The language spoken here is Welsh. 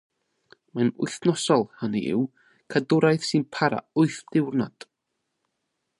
Mae'n wythnoswyl, hynny yw, cadwraeth sy'n para wyth niwrnod.